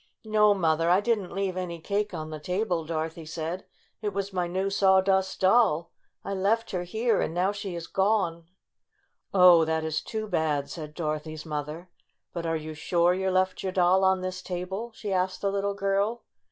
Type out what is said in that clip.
"No, Mother, I didn't leave any cake on the table, '' Dorothy said. 6 6 It was my new Sawdust Doll. I left her here, and now she is gone!" "Oh, that is too bad!" said Dorothy's mother. "But are you sure you left your doll on this table?" she asked the little girl.